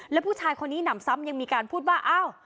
แล้วผู้ชายคนนี้หนำซ้ำยังมีการพูดว่าอ้าว